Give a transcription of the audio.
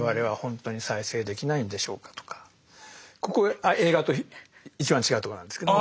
ここ映画と一番違うところなんですけどね。